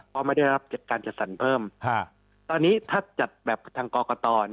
เพราะไม่ได้รับการจัดสรรเพิ่มตอนนี้ถ้าจัดแบบทางกรกต